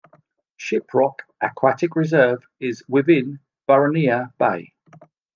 Shiprock Aquatic Reserve is within Burraneer Bay.